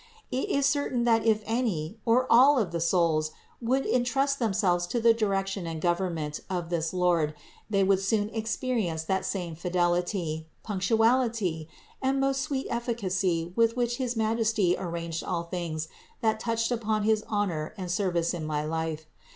It is certain that if any or all of the souls would entrust themselves to the direction and government of this Lord they would soon experience that same fidelity, punctuality and most sweet efficacy with which his Majesty arranged all things that touched upon his honor and service in my life.